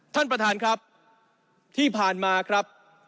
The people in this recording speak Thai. ท่านประธานครับที่ผ่านมาครับ